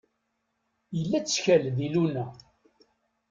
Yella ttkal di Luna.